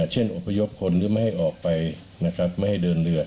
เช่นอพยพคนหรือไม่ให้ออกไปไม่ให้เดินเรือ